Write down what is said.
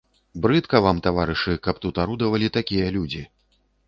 Брыдка вам, таварышы, каб тут арудавалі такія людзі.